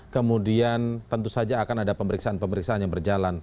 kemudian tentu saja akan ada pemeriksaan pemeriksaan yang berjalan